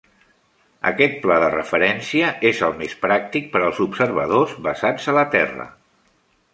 Aquest pla de referència és el més pràctic per als observadors basats a la Terra.